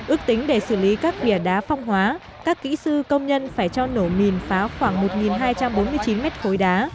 ước tính để xử lý các vỉa đá phong hóa các kỹ sư công nhân phải cho nổ mìn phá khoảng một hai trăm bốn mươi chín mét khối đá